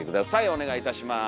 お願いいたします。